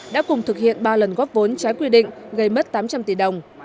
đã cùng thực hiện ba lần góp vốn trái quy định gây mất tám trăm linh tỷ đồng